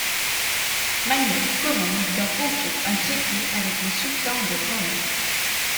Manuel Comnène doit conclure un traité avec le sultan de Rum.